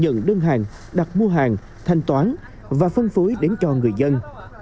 nhận đơn hàng đặt mua hàng thanh toán và phân phối đến cho người dân